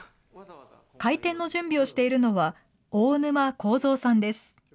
開店の準備をしているのは、大沼孝三さんです。